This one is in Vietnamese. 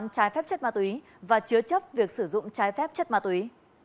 chất ma túy và chứa chấp việc sử dụng trái phép chất ma túy